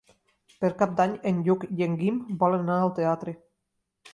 Per Cap d'Any en Lluc i en Guim volen anar al teatre.